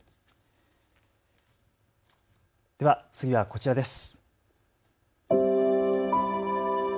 では次はこちらです。